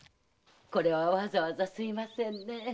これはわざわざすみませんね。